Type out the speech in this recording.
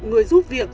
người giúp việc